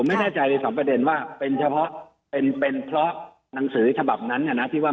ไม่แน่ใจในสองประเด็นว่าเป็นเฉพาะเป็นเป็นเพราะหนังสือฉบับนั้นเนี่ยนะที่ว่า